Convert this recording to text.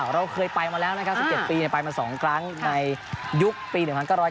เราเคยไปมาแล้วนะครับ๑๗ปีไปมา๒ครั้งในยุคปี๑๙๒